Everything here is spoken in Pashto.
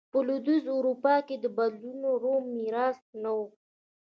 په لوېدیځه اروپا کې بدلونونه د روم میراث نه و